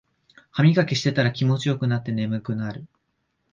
ハミガキしてたら気持ちよくなって眠くなる